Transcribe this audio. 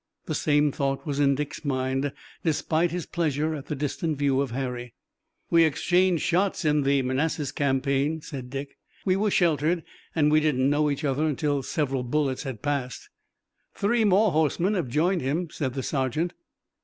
The same thought was in Dick's mind, despite his pleasure at the distant view of Harry. "We exchanged shots in the Manassas campaign," said Dick. "We were sheltered and we didn't know each other until several bullets had passed." "Three more horsemen have joined him," said the sergeant.